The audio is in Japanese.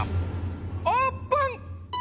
オープン！